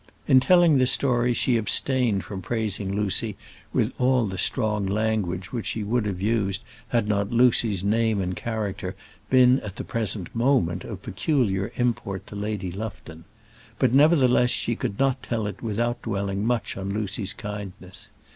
In telling the story she abstained from praising Lucy with all the strong language which she would have used had not Lucy's name and character been at the present moment of peculiar import to Lady Lufton; but nevertheless she could not tell it without dwelling much on Lucy's kindness.